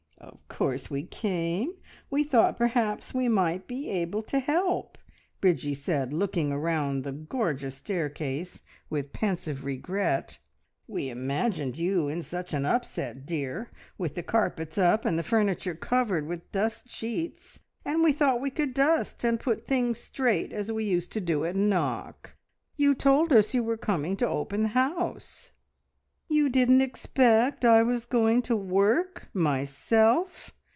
"Of course we came; we thought perhaps we might be able to help!" Bridgie said, looking around the gorgeous staircase with pensive regret. "We imagined you in such an upset, dear, with the carpets up, and the furniture covered with dust sheets, and we thought we could dust, and put things straight as we used to do at Knock. You told us you were coming to open the house!" "You didn't expect I was going to work myself?"